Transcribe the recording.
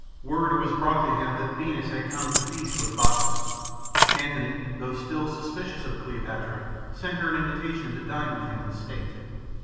Word was brought to him that Venus had come to feast with Bacchus. Antony, though still suspicious of Cleopatra, sent her an invitation to dine with him in state.